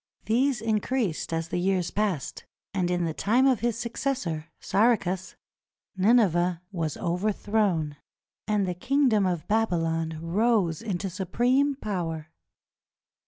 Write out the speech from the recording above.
These increased as the years passed, and in the time of his suc cessor, Saracus, Nineveh was overthrown, and the kingdom of Babylon rose into supreme power.